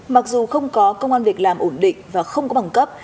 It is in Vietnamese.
mặc dù không có công an việc làm ổn định và không có bằng cấp